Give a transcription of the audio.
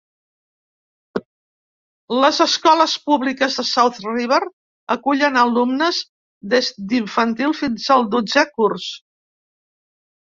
Les escoles públiques de South River acullen alumnes des d'infantil fins al dotzè curs.